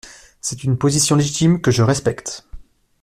C’est une position légitime, que je respecte.